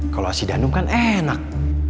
kalau si danum kan enak